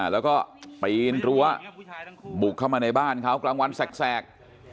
แล้วก็ปีนรั้วบุกเข้ามาในบ้านเขากลางวันแสก